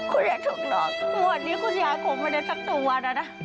ขุนยายถูกหลอกหัวนี้ขุนย้าจะโมงมาคนเดียวสักตัวน่ะ